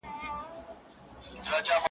هغه بل دي جېب ته ګوري وايی ساندي `